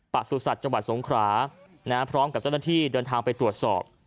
ปสุศัตริย์จังหวัดสงขานะครับพร้อมกับเจ้าหน้าที่เดินทางไปตรวจสอบ